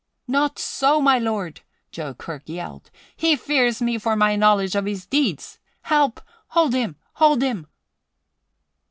"Not so, my lord!" Joe Kirk yelled. "He fears me for my knowledge of his deeds! Help! Hold him hold him!"